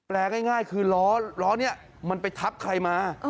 ง่ายคือล้อนี้มันไปทับใครมา